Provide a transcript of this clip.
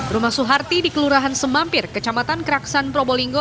rumah suharti di kelurahan semampir kecamatan keraksan probolinggo